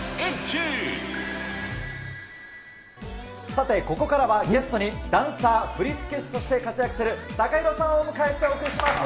さてここからは、ゲストにダンサー、振付師として活躍するＴＡＫＡＨＩＲＯさんをお迎えしてお送りします。